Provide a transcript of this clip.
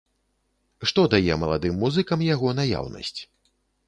Што дае маладым музыкам яго наяўнасць?